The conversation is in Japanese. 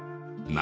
何？